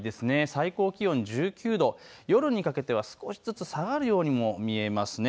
最高気温１９度、夜にかけては少しずつ下がるようにも見えます。